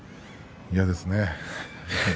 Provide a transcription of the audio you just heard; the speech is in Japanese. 嫌ですね。